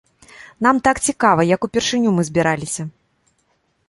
Нам так цікава, як упершыню мы збіраліся.